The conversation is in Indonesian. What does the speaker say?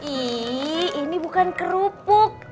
iyih ini bukan kerupuk